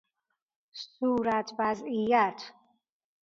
صورت وضعیت